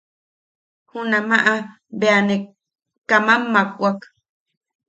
Junamaʼa bea ne kamam makwak.